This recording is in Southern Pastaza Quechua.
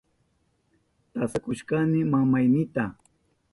Tasata kushkani mamaynita.